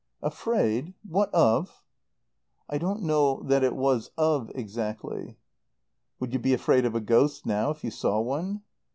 "Afraid what of?" "I don't know that it was 'of' exactly." "Would you be afraid of a ghost, now, if you saw one?"